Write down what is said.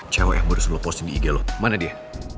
cewek yang baru suruh lo posting di ig lo mana dia